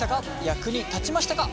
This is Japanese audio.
役に立ちましたか？